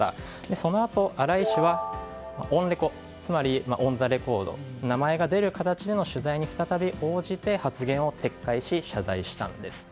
そのあと、荒井氏はオンレコつまりオン・ザ・レコード名前が出る形での取材に再び応じて、発言を撤回し謝罪したんです。